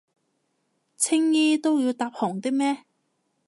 青衣都要搭紅的咩？